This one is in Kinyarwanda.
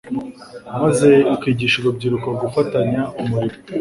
maze ukigisha urubyiruko gufatanya umurimo,